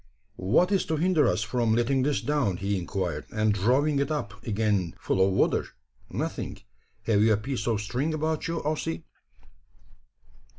"What is to hinder us from letting this down," he inquired, "and drawing it up again full of water? Nothing. Have you a piece of string about you, Ossy?"